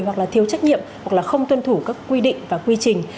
hoặc là thiếu trách nhiệm hoặc là không tuân thủ các quy định và quy trình